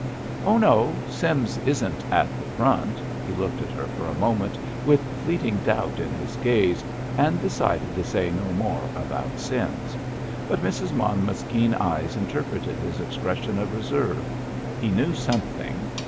"Oh, no, Sims isn't at the front." He looked at her for a moment with fleeting doubt in his gaze, and decided to say no more about Sims. But Mrs. Monmouth's keen eyes interpreted his expression of reserve. He knew something.